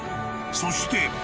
そして］